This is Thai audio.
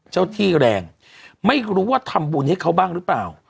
เจ้าที่แรงไม่รู้ว่าทำบุญให้เขาบ้างหรือเปล่า